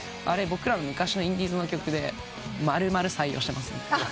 僕らの昔のインディーズの曲で丸々採用してますね。